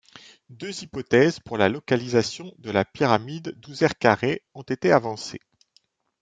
Deux hypothèses pour la localisation de la pyramide d'Ouserkarê ont été avancées.